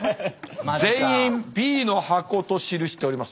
全員Ｂの箱と記しております。